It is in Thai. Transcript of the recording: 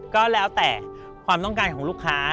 ก็แล้วแต่ความต้องการของลูกค้า